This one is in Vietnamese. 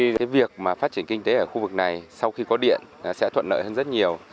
vì cái việc mà phát triển kinh tế ở khu vực này sau khi có điện sẽ thuận lợi hơn rất nhiều